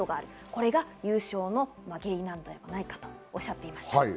これが優勝の原因ではないかとおっしゃっていました。